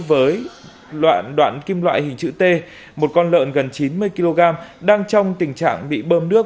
với đoạn đoạn kim loại hình chữ t một con lợn gần chín mươi kg đang trong tình trạng bị bơm nước